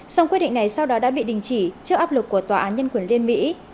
song quyết định này sau đó đã bị đình chỉ trước áp lực của tòa án nhân quyền liên mỹ